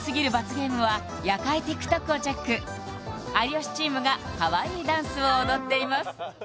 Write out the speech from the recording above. ゲームは夜会ＴｉｋＴｏｋをチェック有吉チームがかわいいダンスを踊っています